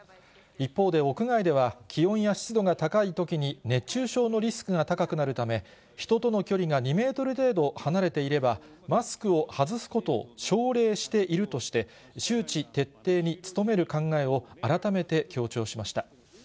一方で、屋外では気温や湿度が高いときに、熱中症のリスクが高くなるため、人との距離が２メートル程度離れていれば、マスクを外すことを奨励しているとして、周知徹底に努める考えを改めて強調しました。